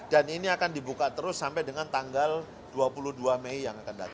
dan ini akan dibuka terus sampai dengan tanggal dua puluh dua mei yang akan datang